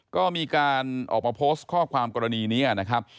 ก็มีการออกมาโพสต์ข้อความกรณีนี้นะครับ